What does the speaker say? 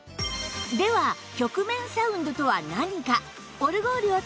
では曲面サウンドとは何か？